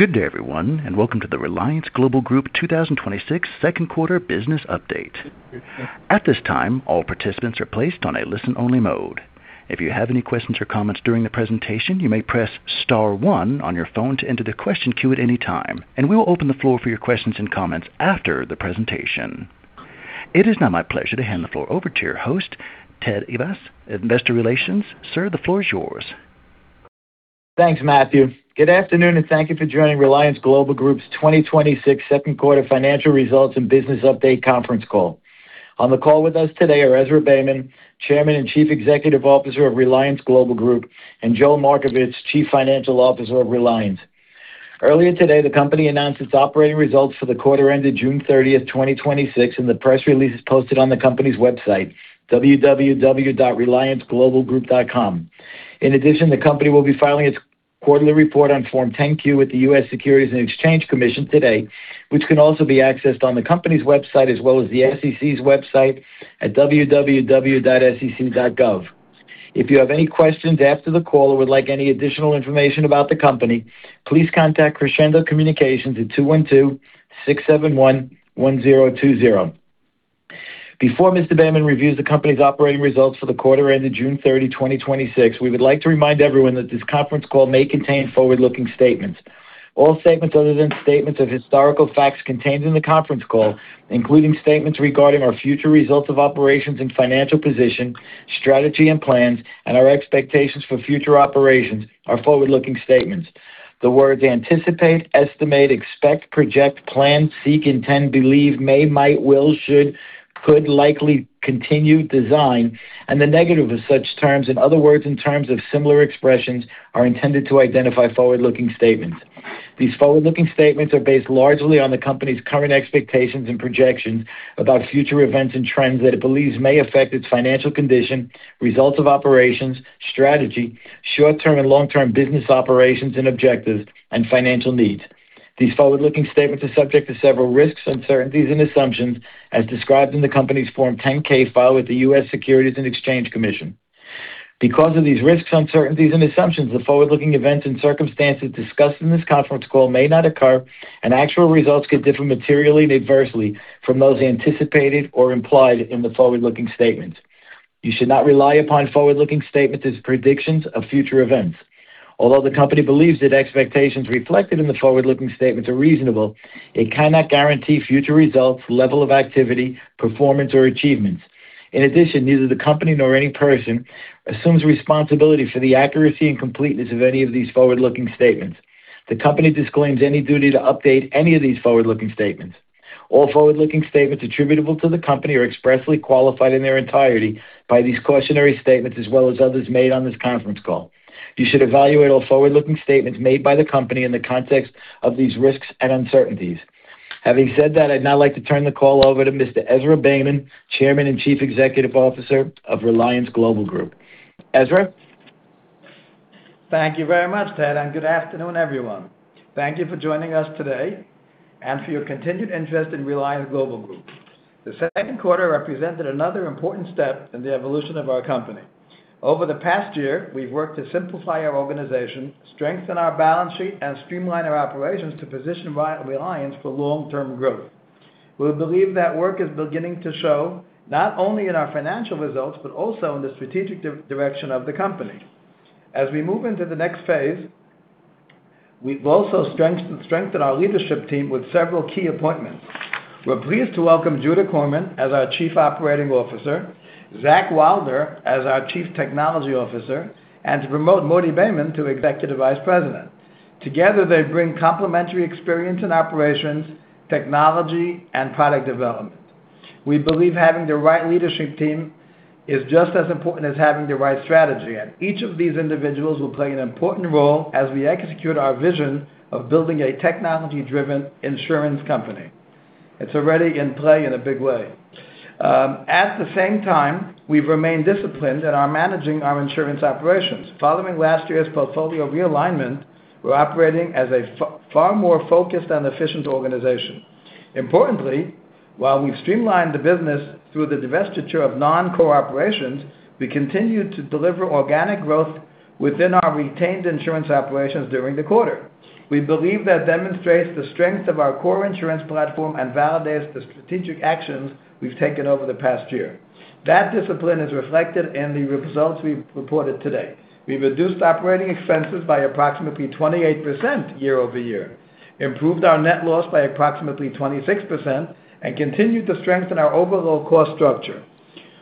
Good day, everyone, and welcome to the Reliance Global Group 2026 second quarter business update. At this time, all participants are placed on a listen-only mode. If you have any questions or comments during the presentation, you may press star one on your phone to enter the question queue at any time, and we will open the floor for your questions and comments after the presentation. It is now my pleasure to hand the floor over to your host, Ted Ayvas, Investor Relations. Sir, the floor is yours. Thanks, Matthew. Good afternoon, and thank you for joining Reliance Global Group's 2026 second quarter financial results and business update conference call. On the call with us today are Ezra Beyman, Chairman and Chief Executive Officer of Reliance Global Group, and Joel Markovits, Chief Financial Officer of Reliance. Earlier today, the company announced its operating results for the quarter ended June 30th, 2026, and the press release is posted on the company's website, www.relianceglobalgroup.com. In addition, the company will be filing its quarterly report on Form 10-Q with the U.S. Securities and Exchange Commission today, which can also be accessed on the company's website as well as the SEC's website at www.sec.gov. If you have any questions after the call or would like any additional information about the company, please contact Crescendo Communications at 212-671-1020. Before Mr. Beyman reviews the company's operating results for the quarter ended June 30th, 2026, we would like to remind everyone that this conference call may contain forward-looking statements. All statements other than statements of historical facts contained in the conference call, including statements regarding our future results of operations and financial position, strategy and plans, and our expectations for future operations, are forward-looking statements. The words anticipate, estimate, expect, project, plan, seek, intend, believe, may, might, will, should, could, likely, continue, design, and the negative of such terms, and other words and terms of similar expressions are intended to identify forward-looking statements. These forward-looking statements are based largely on the company's current expectations and projections about future events and trends that it believes may affect its financial condition, results of operations, strategy, short-term and long-term business operations and objectives, and financial needs. These forward-looking statements are subject to several risks, uncertainties, and assumptions as described in the company's Form 10-K filed with the U.S. Securities and Exchange Commission. Because of these risks, uncertainties and assumptions, the forward-looking events and circumstances discussed in this conference call may not occur, and actual results could differ materially and adversely from those anticipated or implied in the forward-looking statements. You should not rely upon forward-looking statements as predictions of future events. Although the company believes that expectations reflected in the forward-looking statements are reasonable, it cannot guarantee future results, level of activity, performance, or achievements. In addition, neither the company nor any person assumes responsibility for the accuracy and completeness of any of these forward-looking statements. The company disclaims any duty to update any of these forward-looking statements. All forward-looking statements attributable to the company are expressly qualified in their entirety by these cautionary statements as well as others made on this conference call. You should evaluate all forward-looking statements made by the company in the context of these risks and uncertainties. Having said that, I'd now like to turn the call over to Mr. Ezra Beyman, Chairman and Chief Executive Officer of Reliance Global Group. Ezra? Thank you very much, Ted, good afternoon, everyone. Thank you for joining us today and for your continued interest in Reliance Global Group. The second quarter represented another important step in the evolution of our company. Over the past year, we've worked to simplify our organization, strengthen our balance sheet, and streamline our operations to position Reliance for long-term growth. We believe that work is beginning to show not only in our financial results, but also in the strategic direction of the company. As we move into the next phase, we've also strengthened our leadership team with several key appointments. We're pleased to welcome Judah Korman as our Chief Operating Officer, Zack Wilder as our Chief Technology Officer, and to promote Mordy Beyman to Executive Vice President. Together, they bring complementary experience in operations, technology, and product development. We believe having the right leadership team is just as important as having the right strategy. Each of these individuals will play an important role as we execute our vision of building a technology-driven insurance company. It's already in play in a big way. At the same time, we've remained disciplined and are managing our insurance operations. Following last year's portfolio realignment, we're operating as a far more focused and efficient organization. Importantly, while we've streamlined the business through the divestiture of non-core operations, we continued to deliver organic growth within our retained insurance operations during the quarter. We believe that demonstrates the strength of our core insurance platform and validates the strategic actions we've taken over the past year. That discipline is reflected in the results we've reported today. We've reduced operating expenses by approximately 28% year-over-year, improved our net loss by approximately 26%, continued to strengthen our overall cost structure.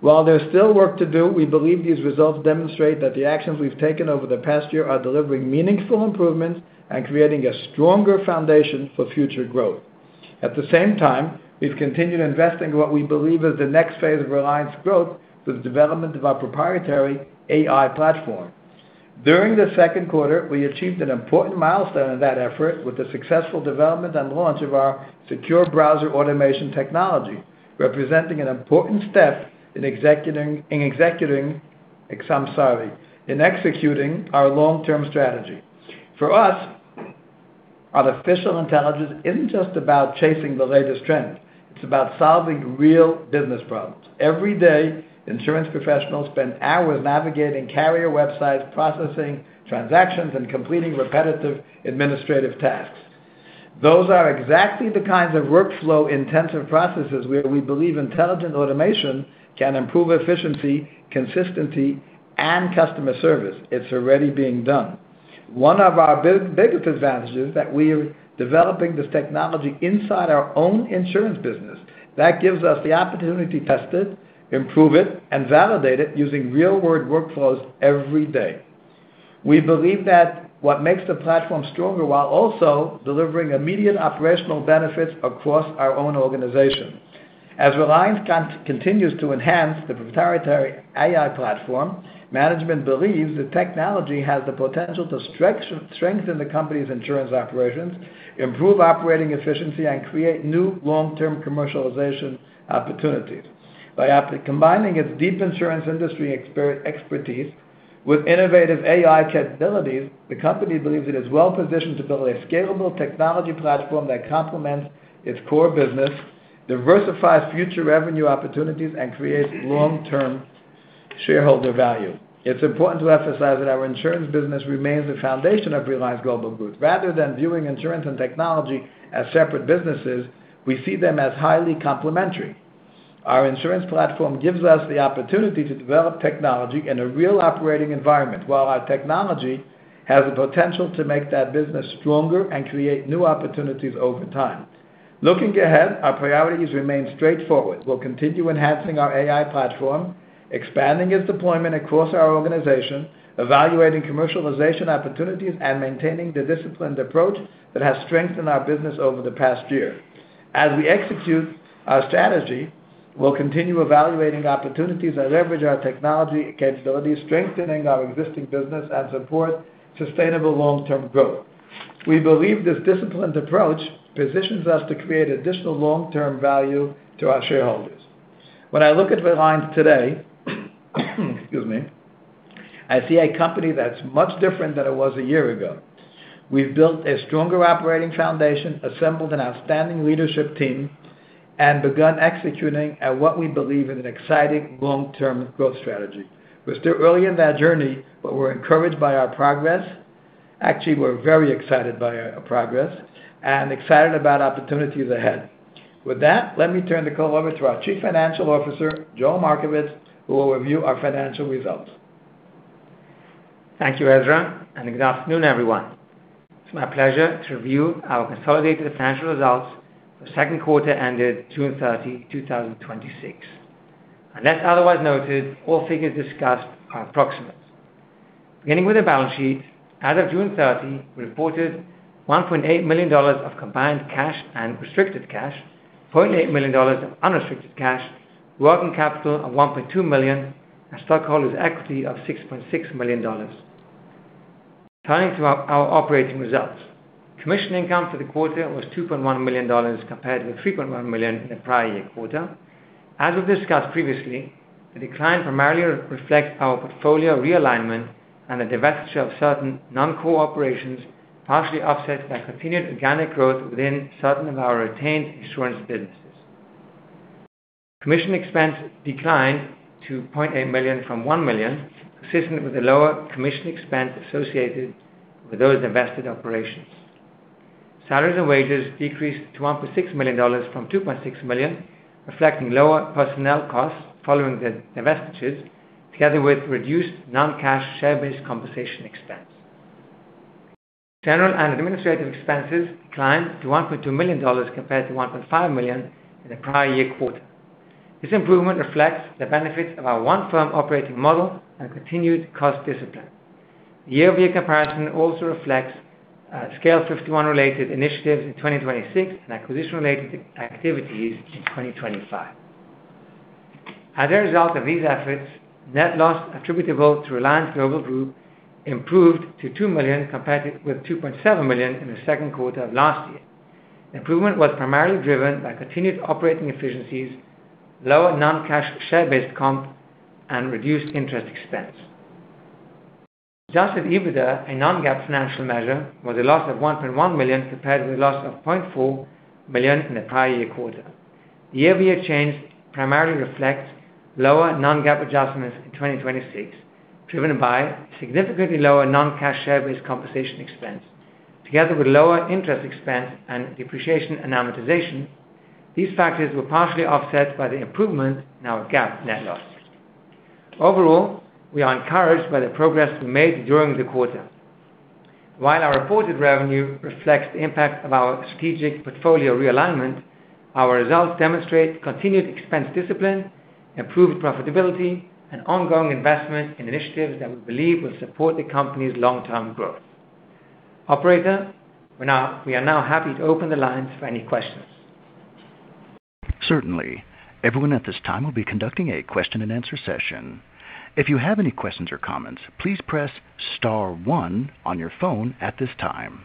While there's still work to do, we believe these results demonstrate that the actions we've taken over the past year are delivering meaningful improvements and creating a stronger foundation for future growth. At the same time, we've continued investing in what we believe is the next phase of Reliance growth through the development of our proprietary AI platform. During the second quarter, we achieved an important milestone in that effort with the successful development and launch of our secure browser automation technology, representing an important step in executing our long-term strategy. For us, artificial intelligence isn't just about chasing the latest trends. It's about solving real business problems. Every day, insurance professionals spend hours navigating carrier websites, processing transactions, and completing repetitive administrative tasks. Those are exactly the kinds of workflow-intensive processes where we believe intelligent automation can improve efficiency, consistency, and customer service. It's already being done. One of our biggest advantages is that we are developing this technology inside our own insurance business. That gives us the opportunity to test it, improve it, and validate it using real-world workflows every day. We believe that what makes the platform stronger while also delivering immediate operational benefits across our own organization. As Reliance continues to enhance the proprietary AI platform, management believes the technology has the potential to strengthen the company's insurance operations, improve operating efficiency, and create new long-term commercialization opportunities. By combining its deep insurance industry expertise with innovative AI capabilities, the company believes it is well-positioned to build a scalable technology platform that complements its core business, diversifies future revenue opportunities, and creates long-term shareholder value. It's important to emphasize that our insurance business remains the foundation of Reliance Global Group. Rather than viewing insurance and technology as separate businesses, we see them as highly complementary. Our insurance platform gives us the opportunity to develop technology in a real operating environment, while our technology has the potential to make that business stronger and create new opportunities over time. Looking ahead, our priorities remain straightforward. We'll continue enhancing our AI platform, expanding its deployment across our organization, evaluating commercialization opportunities, and maintaining the disciplined approach that has strengthened our business over the past year. As we execute our strategy, we'll continue evaluating opportunities that leverage our technology capabilities, strengthening our existing business, and support sustainable long-term growth. We believe this disciplined approach positions us to create additional long-term value to our shareholders. When I look at Reliance today, excuse me, I see a company that's much different than it was a year ago. We've built a stronger operating foundation, assembled an outstanding leadership team, and begun executing at what we believe is an exciting long-term growth strategy. We're still early in that journey, but we're encouraged by our progress. Actually, we're very excited by our progress and excited about opportunities ahead. With that, let me turn the call over to our Chief Financial Officer, Joel Markovits, who will review our financial results. Thank you, Ezra, and good afternoon, everyone. It's my pleasure to review our consolidated financial results for the second quarter ended June 30th, 2026. Unless otherwise noted, all figures discussed are approximate. Beginning with the balance sheet, as of June 30th, we reported $1.8 million of combined cash and restricted cash, $4.8 million of unrestricted cash, working capital of $1.2 million, and stockholders' equity of $6.6 million. Turning to our operating results. Commission income for the quarter was $2.1 million, compared with $3.1 million in the prior year quarter. As we've discussed previously, the decline primarily reflects our portfolio realignment and the divestiture of certain non-core operations, partially offset by continued organic growth within certain of our retained insurance businesses. Commission expense declined to $0.8 million from $1 million, consistent with the lower commission expense associated with those divested operations. Salaries and wages decreased to $1.6 million from $2.6 million, reflecting lower personnel costs following the divestitures, together with reduced non-cash share-based compensation expense. General and administrative expenses declined to $1.2 million compared to $1.5 million in the prior year quarter. This improvement reflects the benefits of our one-firm operating model and continued cost discipline. The year-over-year comparison also reflects Scale51 related initiatives in 2026 and acquisition-related activities in 2025. As a result of these efforts, net loss attributable to Reliance Global Group improved to $2 million compared with $2.7 million in the second quarter of last year. Improvement was primarily driven by continued operating efficiencies, lower non-cash share-based comp, and reduced interest expense. Adjusted EBITDA, a non-GAAP financial measure, was a loss of $1.1 million, compared with a loss of $0.4 million in the prior year quarter. The year-over-year change primarily reflects lower non-GAAP adjustments in 2026, driven by significantly lower non-cash share-based compensation expense. Together with lower interest expense and depreciation and amortization, these factors were partially offset by the improvement in our GAAP net loss. Overall, we are encouraged by the progress we made during the quarter. While our reported revenue reflects the impact of our strategic portfolio realignment, our results demonstrate continued expense discipline, improved profitability, and ongoing investment in initiatives that we believe will support the company's long-term growth. Operator, we are now happy to open the lines for any questions. Certainly. Everyone at this time will be conducting a question-and-answer session. If you have any questions or comments, please press star one on your phone at this time.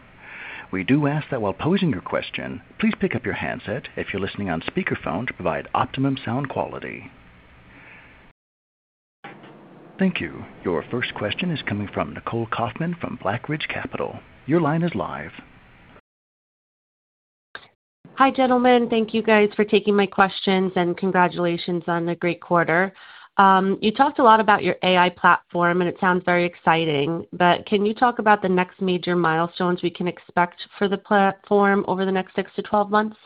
We do ask that while posing your question, please pick up your handset if you're listening on speakerphone to provide optimum sound quality. Thank you. Your first question is coming from Nicole Kaufman from BlackRidge Capital. Your line is live. Hi, gentlemen. Thank you guys for taking my questions, and congratulations on the great quarter. You talked a lot about your AI platform, and it sounds very exciting. Can you talk about the next major milestones we can expect for the platform over the next 6-12 months?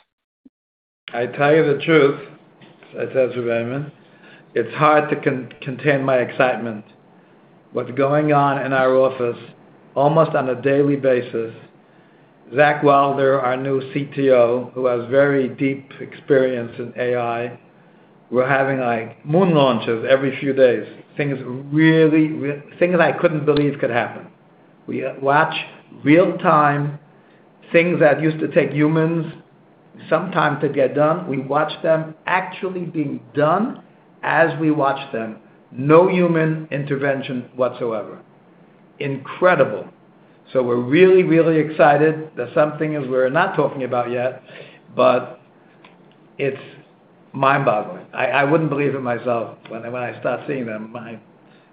I tell you the truth, it's Ezra Beyman. It's hard to contain my excitement. What's going on in our office almost on a daily basis, Zack Wilder, our new CTO, who has very deep experience in AI, we're having moon launches every few days, things I couldn't believe could happen. We watch real-time things that used to take humans some time to get done. We watch them actually being done as we watch them. No human intervention whatsoever. Incredible. We're really, really excited. There's some things we're not talking about yet, but it's mind-boggling. I wouldn't believe it myself when I start seeing them.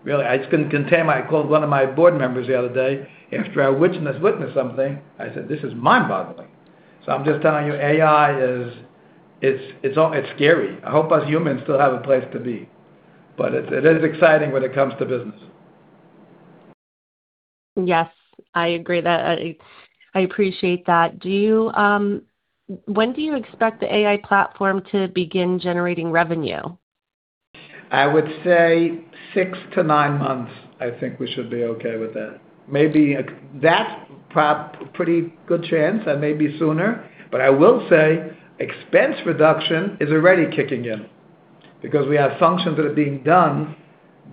Really, I just couldn't contain. I called one of my board members the other day after I witnessed something. I said, "This is mind-boggling." I'm just telling you, AI is, it's scary. I hope us humans still have a place to be. It is exciting when it comes to business. Yes, I agree that. I appreciate that. When do you expect the AI platform to begin generating revenue? I would say six to nine months, I think we should be okay with that. That's pretty good chance that may be sooner. I will say expense reduction is already kicking in because we have functions that are being done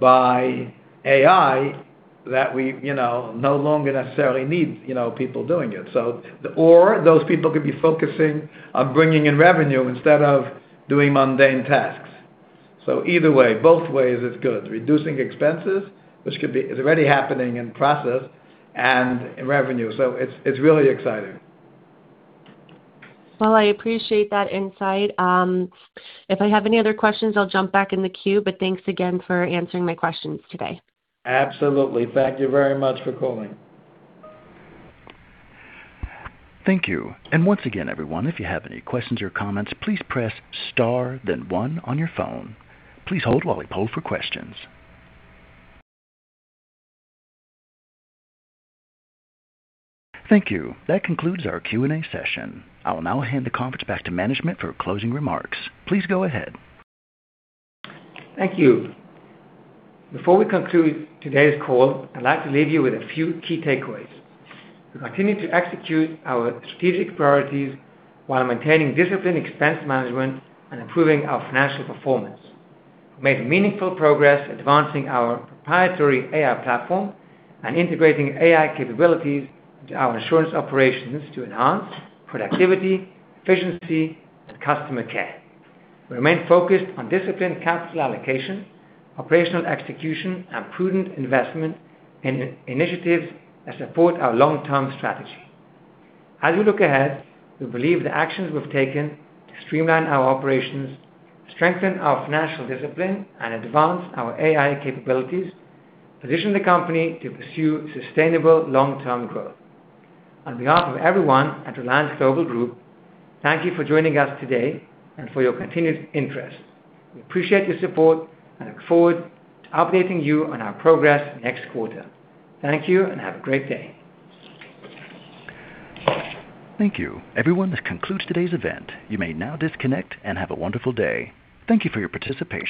by AI that we no longer necessarily need people doing it. Those people could be focusing on bringing in revenue instead of doing mundane tasks. Either way, both ways it's good. Reducing expenses, which is already happening in process, and in revenue. It's really exciting. I appreciate that insight. If I have any other questions, I'll jump back in the queue. Thanks again for answering my questions today. Absolutely. Thank you very much for calling. Thank you. Once again, everyone, if you have any questions or comments, please press star then one on your phone. Please hold while we poll for questions. Thank you. That concludes our Q&A session. I will now hand the conference back to management for closing remarks. Please go ahead. Thank you. Before we conclude today's call, I'd like to leave you with a few key takeaways. We continue to execute our strategic priorities while maintaining disciplined expense management and improving our financial performance. We made meaningful progress advancing our proprietary AI platform and integrating AI capabilities into our insurance operations to enhance productivity, efficiency, and customer care. We remain focused on disciplined capital allocation, operational execution, and prudent investment in initiatives that support our long-term strategy. As we look ahead, we believe the actions we've taken to streamline our operations, strengthen our financial discipline, and advance our AI capabilities position the company to pursue sustainable long-term growth. On behalf of everyone at Reliance Global Group, thank you for joining us today and for your continued interest. We appreciate your support and look forward to updating you on our progress next quarter. Thank you and have a great day. Thank you. Everyone, this concludes today's event. You may now disconnect and have a wonderful day. Thank you for your participation.